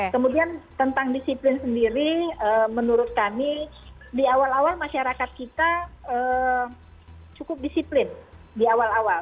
kemudian tentang disiplin sendiri menurut kami di awal awal masyarakat kita cukup disiplin di awal awal